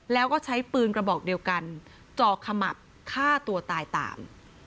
แล้วก็ใช้ปืนกระบอกเดียวกันจ่อขมับฆ่าตัวตายตาม